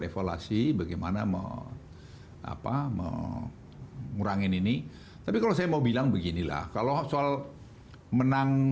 evaluasi bagaimana apa mengurangi ini tapi kalau saya mau bilang beginilah kalau soal menang